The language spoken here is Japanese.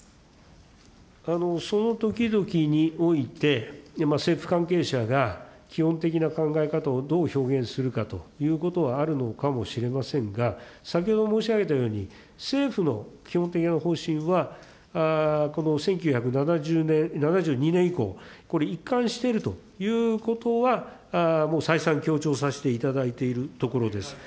その時々において、政府関係者が基本的な考え方をどう表現するかということはあるのかもしれませんが、先ほど申し上げたように、政府の基本的な方針は、この１９７２年以降、これ、一貫しているということは、もう再三、強調させていただいているところです。